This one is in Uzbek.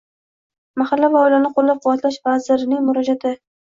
Mahalla va oilani qo‘llab-quvvatlash vazirligining murojaating